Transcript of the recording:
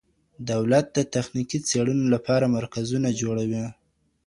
دولت د تخنیکي څېړنو لپاره مرکزونه جوړوي.